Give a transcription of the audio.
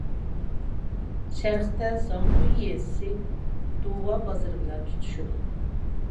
شەرقتە زاڭگۇي يېزىسى، دۇۋا بازىرى بىلەن تۇتىشىدۇ.